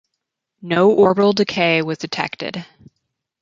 No orbital decay was detected.